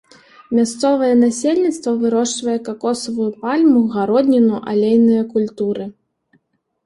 Мясцовае насельніцтва вырошчвае какосавую пальму, гародніну, алейныя культуры.